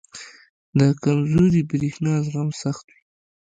• د کمزوري برېښنا زغم سخت وي.